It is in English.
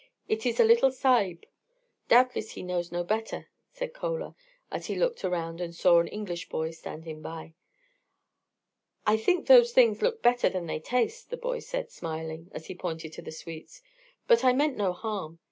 It is a little Sahib. Doubtless he knows no better," said Chola, as he looked around and saw an English boy standing by. "I think those things look better than they taste," the boy said, smiling, as he pointed to the sweets; "but I meant no harm.